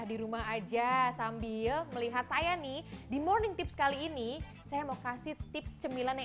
di rumah aja sambil melihat saya nih di morning tips kali ini saya mau kasih tips cemilan yang